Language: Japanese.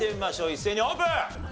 一斉にオープン！